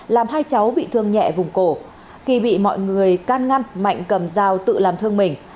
làm hai cháu bị thương nhẹ vùng cổ khi bị mọi người can ngăn mạnh cầm dao tự làm thương mình